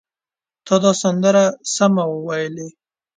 تا دا سندره سمه وویلې!